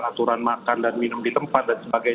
aturan makan dan minum di tempat dan sebagainya